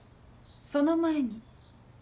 その前に。